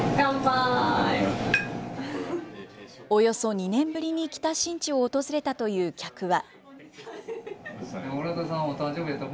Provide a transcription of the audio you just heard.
およそ２年ぶりに北新地を訪れたという客は。